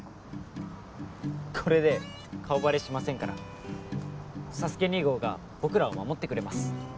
これで顔バレしませんからサスケ２号が僕らを守ってくれます